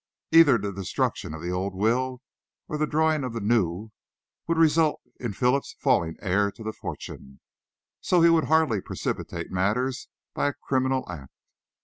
Either the destruction of the old will or the drawing of the new would result in Philip's falling heir to the fortune. So he would hardly precipitate matters by a criminal act.